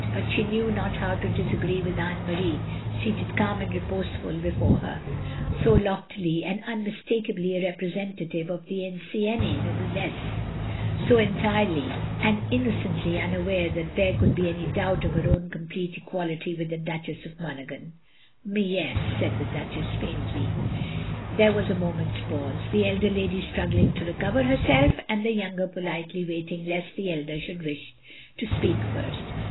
But she knew not how to disagree with Anne Marie, seated calm and reposeful before her; so loftily and unmis takably a representative of the ancienne noblesse; so entirely and innocently tmaware that there could be any doubt of her own complete equality with the Duchess of Monaghan. " M'yes, '' said the Duchess, faintly. There was a moment's pause; the elder lady struggling to recover herself, and the younger politely waiting lest the elder should wish to speak first.